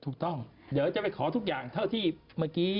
ถูกต้องเดี๋ยวจะไปขอทุกอย่างเท่าที่เมื่อกี้